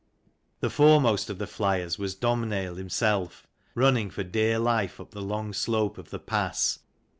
The foremost of the flyers was Domhnaill himself, running for dear life up the long slope of the pass.